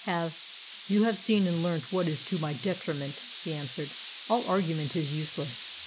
Have " "You have seen and learnt what is to my detriment," he answered. "All argument is useless.